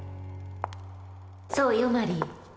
そうよマリー。